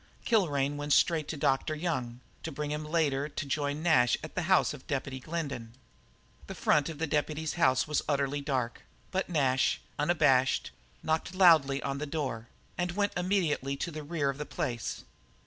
Kilrain went straight for Doc Young, to bring him later to join Nash at the house of Deputy Glendin. The front of the deputy's house was utterly dark, but Nash, unabashed, knocked loudly on the door, and went immediately to the rear of the place.